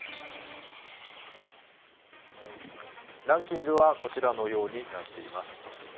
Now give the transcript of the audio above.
ランキングは、こちらのようになっています。